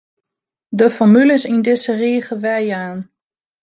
De formules yn dizze rige werjaan.